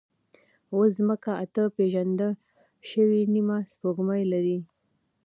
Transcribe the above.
اوس ځمکه اته پېژندل شوې نیمه سپوږمۍ لري.